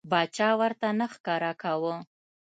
باچا ورته نه ښکاره کاوه.